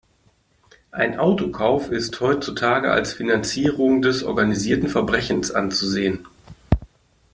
Ein Autokauf ist heutzutage als Finanzierung des organisierten Verbrechens anzusehen.